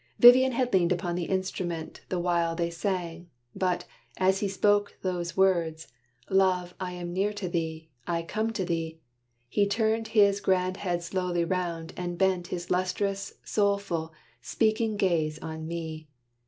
Vivian had leaned upon the instrument The while they sang. But, as he spoke those words, "Love, I am near to thee, I come to thee," He turned his grand head slowly round, and bent His lustrous, soulful, speaking gaze on me.